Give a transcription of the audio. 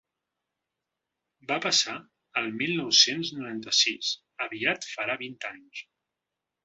Va passar el mil nou-cents noranta-sis: aviat farà vint anys.